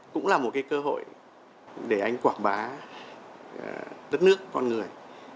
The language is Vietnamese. cũng là một cái cơ hội để anh quảng bá đất nước con người